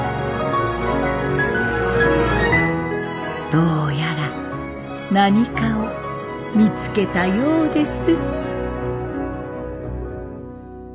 どうやら何かを見つけたようです。